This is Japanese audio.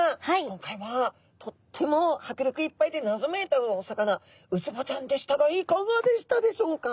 今回はとってもはくりょくいっぱいでなぞめいたお魚ウツボちゃんでしたがいかがでしたでしょうか？